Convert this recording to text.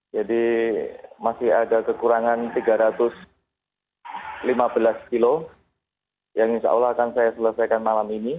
jadi masih ada kekurangan tiga ratus lima belas kilo yang insya allah akan saya selesaikan malam ini